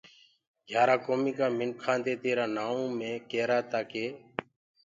گھيآرآ ڪوميٚ ڪآ منکآنٚ دي تيرآ نآئونٚ مي ڪيرآ تآ ڪي